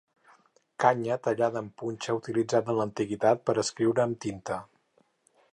Canya tallada en punxa utilitzada en l'antiguitat per a escriure amb tinta.